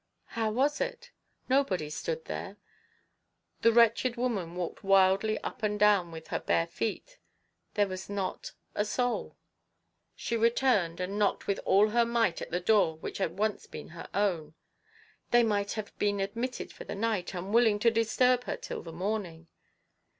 How was it ? Nobody stood there. The wretched woman walked wildly up and down with her bare eet there was not a soul. She returned and knocked with all her might at the door which had once been her own they might have been admitted for the night, unwilling to disturb her till the morning.